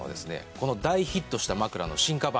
この大ヒットした枕の進化版。